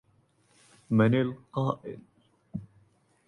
من القائل؟